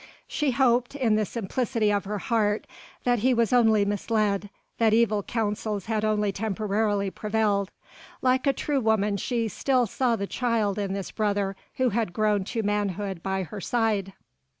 She hoped in the simplicity of her heart that he was only misled, that evil counsels had only temporarily prevailed. Like a true woman she still saw the child in this brother who had grown to manhood by her side.